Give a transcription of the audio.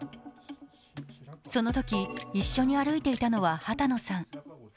そのとき、一緒に歩いていたのは波多野さん。